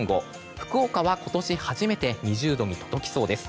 福岡は今年初めて２０度に届きそうです。